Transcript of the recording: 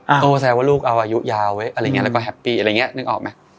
โต้แซวว่าลูกเอาอายุยาวไว้อะไรอย่างเงี้แล้วก็แฮปปี้อะไรอย่างเงี้นึกออกไหม